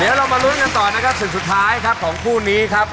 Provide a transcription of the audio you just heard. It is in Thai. เดี๋ยวเรามาลุ้นกันต่อนะครับศึกสุดท้ายครับของคู่นี้ครับ